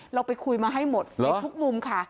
เราไปคุยมาให้หมดในทุกมุมค่ะ